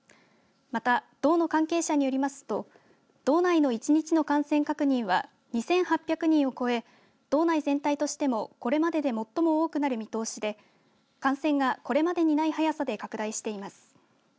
また道の関係者によりますと道内の１日の感染確認は２８００人を超え道内全体としてもこれまでで最も多くなる見通しで感染が、これまでにない速さで拡大しています。